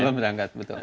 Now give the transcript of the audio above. belum berangkat betul